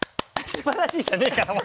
「すばらしい」じゃねえから！